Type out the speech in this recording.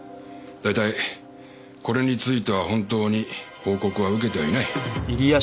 だいたいこれについては本当に報告は受けてはいない。